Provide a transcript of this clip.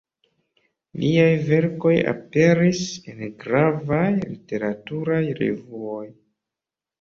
Liaj verkoj aperis en gravaj literaturaj revuoj.